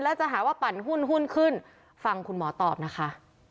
แล้วจะหาว่าปั่นหุ้นหุ้นขึ้นฟังคุณหมอตอบนะคะ